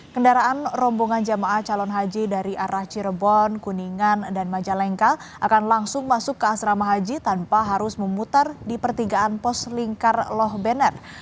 kendaraan rombongan jamaah calon haji dari arah cirebon kuningan dan majalengka akan langsung masuk ke asrama haji tanpa harus memutar di pertigaan pos lingkar loh banner